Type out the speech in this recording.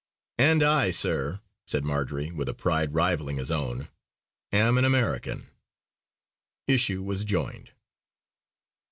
"And I, sir," said Marjory, with a pride rivalling his own, "am an American!" Issue was joined.